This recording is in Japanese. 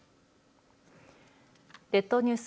列島ニュース